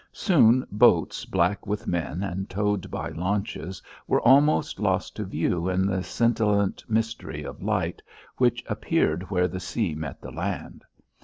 Soon boats black with men and towed by launches were almost lost to view in the scintillant mystery of light which appeared where the sea met the land.